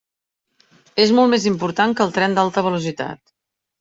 És molt més important que el tren d'alta velocitat.